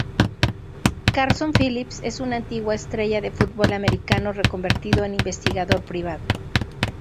Carson Phillips es una antigua estrella de fútbol aMericano reconvertido en Investigador Privado.